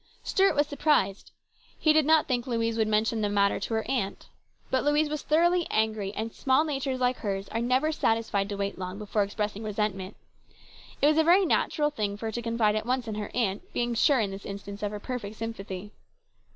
Stuart was surprised. He did not think Louise would mention the matter to her aunt. But Louise was thoroughly angry, and small natures like hers are never satisfied to wait long before expressing resent ment. It was a very natural thing for her to confide at once in her aunt, being sure in this instance of her perfect sympathy.